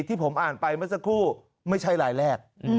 ที่ผมอ่านไปเมื่อสักครู่ไม่ใช่ลายแรก